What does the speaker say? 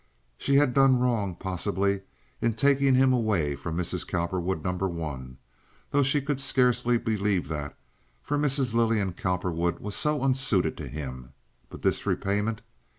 She had done wrong, possibly, in taking him away from Mrs. Cowperwood number one, though she could scarcely believe that, for Mrs. Lillian Cowperwood was so unsuited to him—but this repayment!